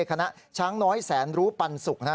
คณะช้างน้อยแสนรู้ปันสุก